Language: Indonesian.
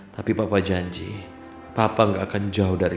tapi bagaimana laku ok quier